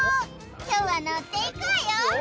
今日はノッていくわよ！